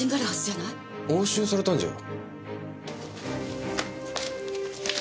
押収されたんじゃ？